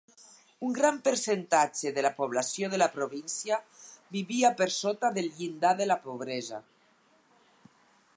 Un gran percentatge de la població de la província vivia per sota el llindar de pobresa.